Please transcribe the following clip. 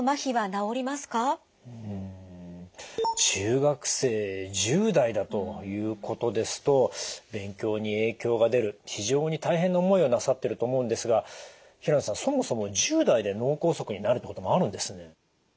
中学生１０代だということですと勉強に影響が出る非常に大変な思いをなさってると思うんですが平野さんそもそも１０代で脳梗塞になるってこともあるんですね。